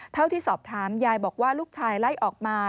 เท่าที่สอบถามยายบอกว่าลูกชายไล่ออกมา